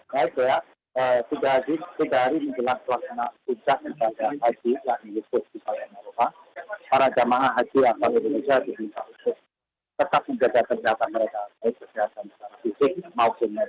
baik sudah hari ini jelang puncak haji yang dilakukan di makkah